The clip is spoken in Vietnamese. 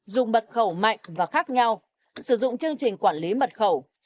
dùng mật khẩu mạnh và khác nhau sử dụng chương trình quản lý mật khẩu